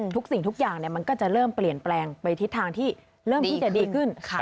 สิ่งทุกอย่างมันก็จะเริ่มเปลี่ยนแปลงไปทิศทางที่เริ่มที่จะดีขึ้น